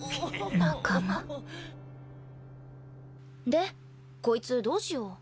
仲間でこいつどうしよう？